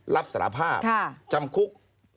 รับสารภาพจำคุก